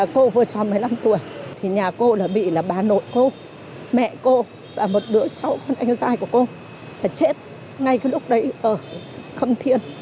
cô vừa tròn một mươi năm tuổi nhà cô bị bà nội cô mẹ cô và một đứa cháu con anh trai của cô chết ngay cái lúc đấy ở khâm thiên